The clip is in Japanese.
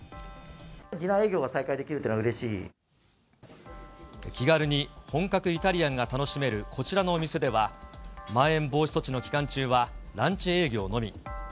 ディナー営業が再開できると気軽に本格イタリアンが楽しめるこちらのお店では、まん延防止措置の期間中は、ランチ営業のみ。